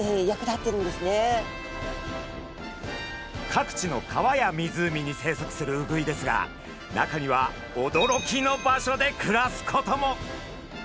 各地の川や湖に生息するウグイですが中には驚きの場所で暮らすことも。